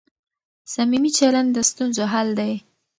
صمیمي چلند د ستونزو حل دی.